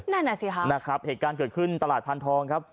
นั่นอ่ะสิฮะนะครับเหตุการณ์เกิดขึ้นตลาดพันธองครับ